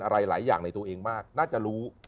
อะไรหลายอย่างในตัวเองมากน่าจะรู้